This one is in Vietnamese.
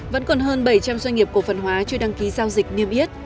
vẫn còn hơn bảy trăm linh doanh nghiệp cổ phần hóa chưa đăng ký giao dịch niêm yết